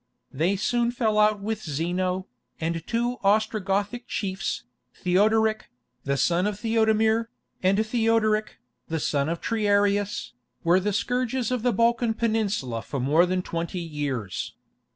They soon fell out with Zeno, and two Ostrogothic chiefs, Theodoric, the son of Theodemir, and Theodoric, the son of Triarius, were the scourges of the Balkan Peninsula for more than twenty years.